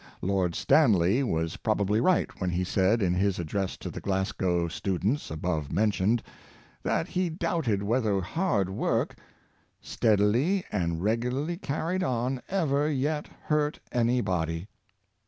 Lord Stanley was probably right when he said, in his address to the Glasgow students above mentioned, that he doubt ed whether hard work, " steadily and regularly carried on, ever yet hurt any body."